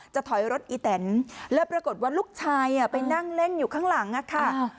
ถอยรถอีแตนแล้วปรากฏว่าลูกชายไปนั่งเล่นอยู่ข้างหลังค่ะ